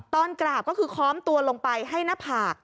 ตอนกราบก็คือค้อมตัวลงไปให้หน้าผาก